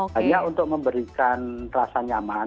hanya untuk memberikan rasa nyaman